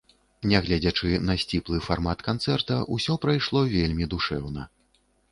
Нягледзячы на сціплы фармат канцэрта, усё прайшло вельмі душэўна.